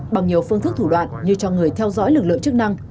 bằng nhiều phương thức thủ đoạn như cho người theo dõi lực lượng chức năng